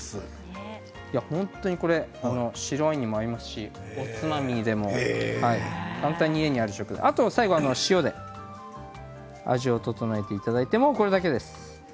本当に、これ白ワインにも合いますし、おつまみにも簡単に家にある食材で。あとは塩で味を調えていただいてこれだけです。